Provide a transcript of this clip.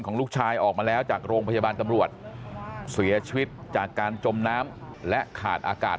ลูกชายออกมาแล้วจากโรงพยาบาลตำรวจเสียชีวิตจากการจมน้ำและขาดอากาศ